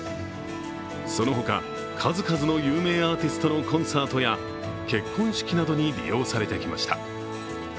そのほか、数々の有名アーティストのコンサートや結婚式などに利用されてきました。